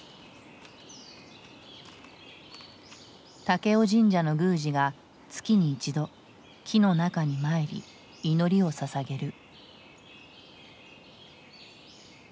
武雄神社の宮司が月に一度木の中に参り祈りをささげる。